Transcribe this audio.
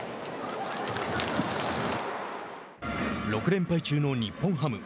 ６連敗中の日本ハム。